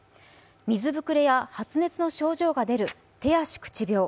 水ぶくれや発熱の症状が出る手足口病。